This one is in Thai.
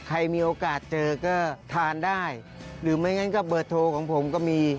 ใครมีโอกาสเจอก็ทานได้หรือไม่งั้นก็เบอร์โทรของผมก็มี